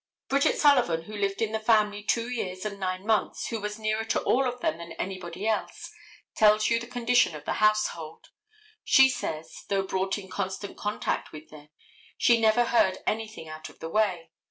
Bridget Sullivan, who lived in the family two years and nine months, who was nearer to all of them than anybody else, tells you the condition of the household. She says, though brought in constant contact with them, she never heard anything out of the way.